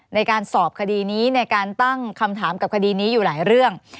ในการสอบคดีนี้ในการตั้งคำถามกับคดีนี้อยู่หลายเรื่อง